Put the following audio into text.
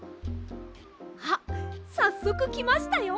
あっさっそくきましたよ！